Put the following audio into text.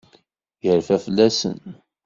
Yerfa fell-asen.